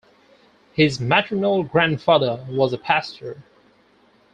His maternal grandfather was a pastor.